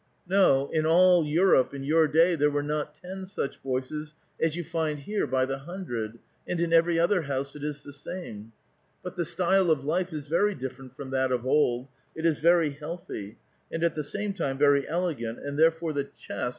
" No, in all Europe in your day there were not ten such voices as you find here by the hundred, and in every other house it is the same. But the style of life is very different from that of old ; it is very healthy, and at the same time very elegant, and therefore the chest becomes 1 Here too Tcbcmuishovsky shows himself ns a prophet.